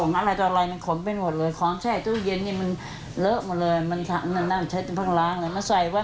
มันก็เยอะเลยนะตอนมันอยู่นะลูกอะไรใช้ไม่ได้